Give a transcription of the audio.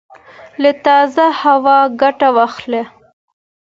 له تازه هوا ګټه واخله